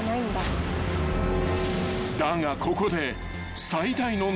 ［だがここで］